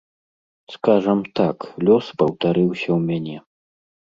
Скажам так, лёс паўтарыўся ў мяне.